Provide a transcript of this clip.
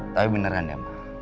tapi beneran ya mama